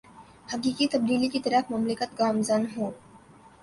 حقیقی تبدیلی کی طرف مملکت گامزن ہو